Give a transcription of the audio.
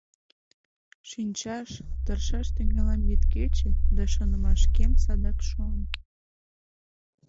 Шинчаш, тыршаш тӱҥалам йӱд-кече — да шонымашкем садак шуам.